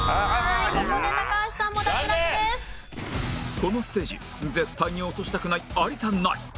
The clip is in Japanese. このステージ絶対に落としたくない有田ナイン